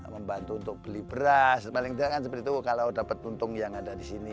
membantu untuk beli beras paling tidak kalau dapat untung yang ada di sini